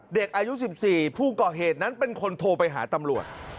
เด็กอายุ๑๔ผู้ก่อเหตุนั้นเป็นคนโทรไปหาตำรวจ